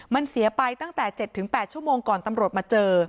มันเสียไปตั้งแต่๗๘ชั่วโมงก่อนตำรวจมาเจอ